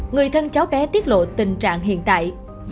người thân cháu bé tiết lộ tình trạng hiện tại